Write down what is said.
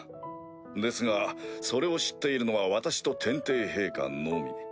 ですがそれを知っているのは私と天帝陛下のみ。